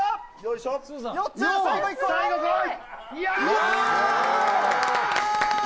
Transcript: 最後、来い！